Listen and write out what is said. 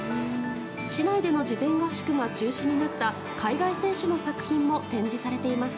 市内での事前合宿が中止になった海外選手の作品も展示されています。